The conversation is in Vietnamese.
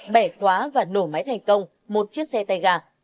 bẻ quá và nổ máy thành công một chiếc xe tay gà